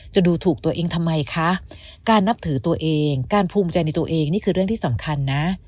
จะดูถูกตัวเองทำไมคะการนับถือตัวเองการภูมิใจในตัวเองนี่คือเรื่องที่สำคัญนะ